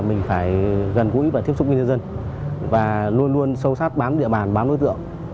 mình phải gần gũi và tiếp xúc với nhân dân và luôn luôn sâu sát bám địa bàn bám đối tượng